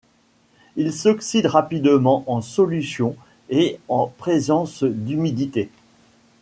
Il s'oxyde rapidement en solution et en présence d'humidité.